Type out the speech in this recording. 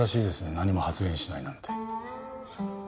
何も発言しないなんて。